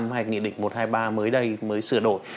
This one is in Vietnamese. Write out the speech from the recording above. hay nghị định một trăm hai mươi ba mới đây mới sửa đổi